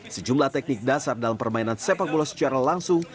sejumlah teknik dasar dalam permainan sepak bola secara langsung